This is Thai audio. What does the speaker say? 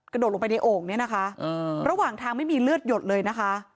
โดดลงไปในโอ่งเนี่ยนะคะระหว่างทางไม่มีเลือดหยดเลยนะคะ